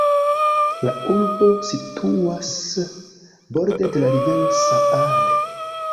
La urbo situas borde de la rivero Saale.